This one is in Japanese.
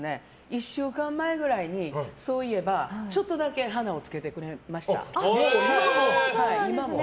１週間前くらいに、そういえばちょっとだけ花をつけてくれました。